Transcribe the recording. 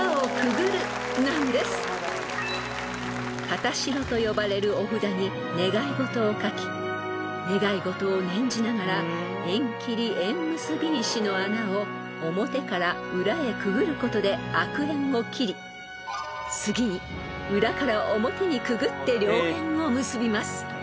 ［形代と呼ばれるお札に願い事を書き願い事を念じながら縁切り縁結び碑の穴を表から裏へくぐることで悪縁を切り次に裏から表にくぐって良縁を結びます］